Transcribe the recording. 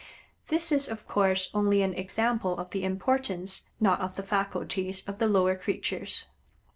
This is, of course, only an example of the importance, not of the faculties of the lower creatures.